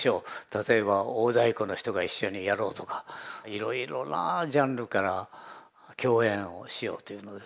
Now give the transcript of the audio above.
例えば大太鼓の人が一緒にやろうとかいろいろなジャンルから共演をしようというので。